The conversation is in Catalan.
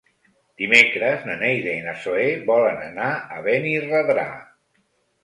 Dimecres na Neida i na Zoè volen anar a Benirredrà.